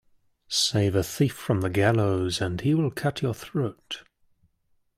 Save a thief from the gallows and he will cut your throat.